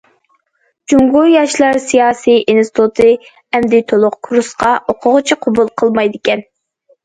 جۇڭگو ياشلار سىياسىي ئىنستىتۇتى ئەمدى تولۇق كۇرسقا ئوقۇغۇچى قوبۇل قىلمايدىكەن.